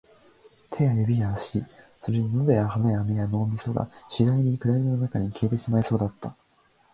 指や手や足、それに喉や鼻や目や脳みそが、次第に暗闇の中に消えてしまいそうだった